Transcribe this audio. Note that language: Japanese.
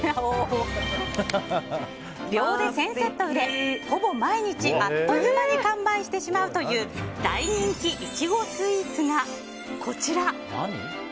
秒で１０００セット売れほぼ毎日、あっという間に完売してしまうという大人気イチゴスイーツが、こちら。